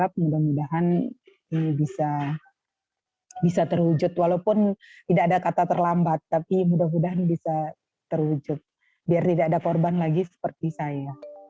tapi mudah mudahan bisa terwujud biar tidak ada korban lagi seperti saya